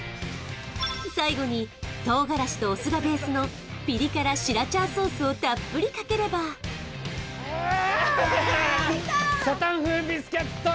最後に唐辛子とお酢がベースのピリ辛シラチャーソースをたっぷりかければできた！